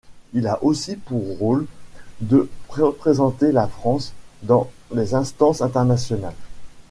Il a aussi pour rôle de représenter la France dans les instances internationales.